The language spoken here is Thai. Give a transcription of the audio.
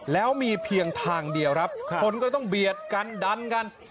แล้วมีเพียงทางเดียวครับคนก็ต้องเบียดกันดันกัน